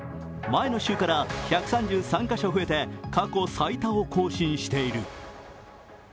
前の週から１３３カ所増えて過去最多を更新している。